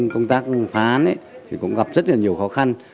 công tác phá án cũng gặp rất nhiều khó khăn